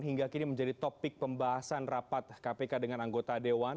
hingga kini menjadi topik pembahasan rapat kpk dengan anggota dewan